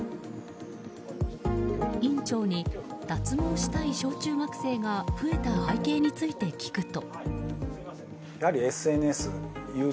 院長に、脱毛したい小中学生が増えた背景について聞くと。